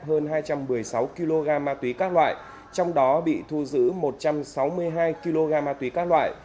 hơn hai trăm một mươi sáu kg ma túy các loại trong đó bị thu giữ một trăm sáu mươi hai kg ma túy các loại